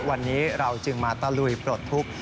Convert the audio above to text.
วันนี้เราจึงมาตะลุยปลดทุกข์